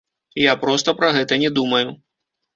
Я проста пра гэта не думаю.